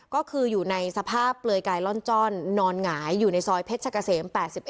ก็คืออยู่ในสภาพเปลือยกายล่อนจ้อนนอนหงายอยู่ในซอยเพชรกะเสม๘๑